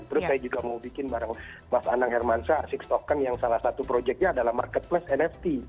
terus saya juga mau bikin bareng mas anang hermansyah enam token yang salah satu projectnya adalah marketplace nft